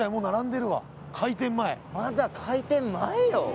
まだ開店前よ